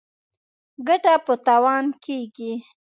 ـ ګټه په تاوان کېږي.